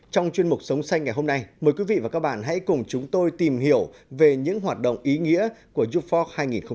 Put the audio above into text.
trong chuyên mục sống xanh ngày hôm nay mời quý vị và các bạn hãy cùng chúng tôi tìm hiểu về những hoạt động ý nghĩa của youth fork hai nghìn ba mươi